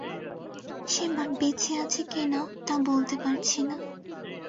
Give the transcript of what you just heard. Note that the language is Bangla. সে বেঁচে আছে কি-না তা বলতে পারছি না।